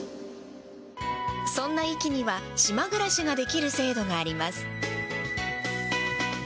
そんな壱岐には島暮らしができる制度があります。